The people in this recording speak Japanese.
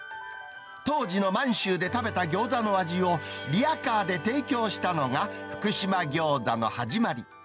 当時の満州で食べた餃子の味を、リヤカーで提供したのが福島餃子の始まり。